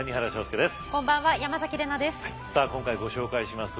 今回ご紹介します